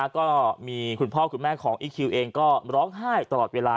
ก็มีคุณพ่อคุณแม่ของอีคคิวเองก็ร้องไห้ตลอดเวลา